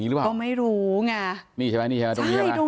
นี้หรือเปล่าก็ไม่รู้ง่ะนี่ใช่ไหมนี่ใช่ตรงนี้ค่ะใช่ตรง